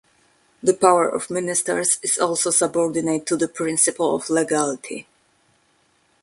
The power of ministers is also subordinate to the principle of legality.